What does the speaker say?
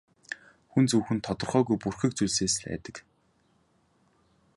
Хүн зөвхөн тодорхойгүй бүрхэг зүйлсээс л айдаг.